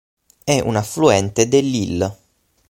È un affluente dell'Ill.